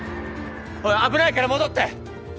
おい危ないから戻って！